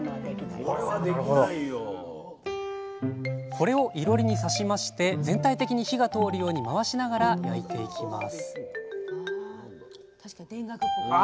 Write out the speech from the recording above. これをいろりに刺しまして全体的に火が通るように回しながら焼いていきます